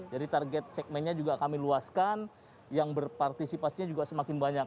jadi target segmennya juga kami luaskan yang berpartisipasinya juga semakin banyak